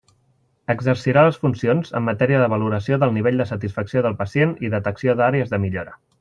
Exercirà les funcions en matèria de valoració del nivell de satisfacció del pacient i detecció d'àrees de millora.